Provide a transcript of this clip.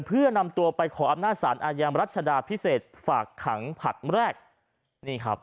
เพื่อนำตัวไปขออำนาจสารอาญามรัชดาพิเศษฝากขังผลัดแรกนี่ครับ